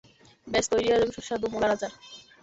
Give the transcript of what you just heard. ব্যাস তৈরি হয়ে যাবে সুস্বাদু মুলার আচার।